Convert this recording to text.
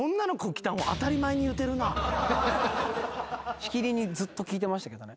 しきりにずっと聞いてましたけどね。